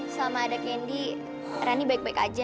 selama ada candy rani baik baik aja